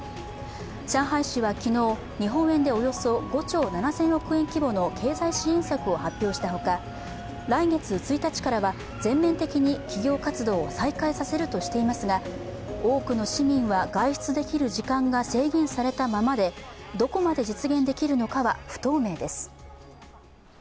上海市は昨日、日本円でおよそ５兆７０００億円規模の経済支援策を発表したほか、来月１日からは全面的に企業活動を再開させるとしていますが、多くの市民は外出できる時間が制限されたままでどこまで実現できるのかは不透明です。